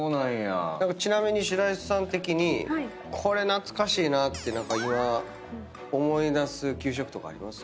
ちなみに白石さん的にこれ懐かしいなって今思い出す給食とかあります？